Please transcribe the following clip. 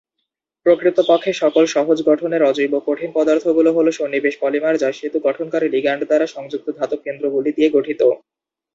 প্রকৃতপক্ষে, সকল সহজ গঠনের অজৈব কঠিন পদার্থগুলো হল সন্নিবেশ পলিমার, যা সেতু গঠনকারী লিগ্যান্ড দ্বারা সংযুক্ত ধাতব কেন্দ্রগুলি দিয়ে গঠিত।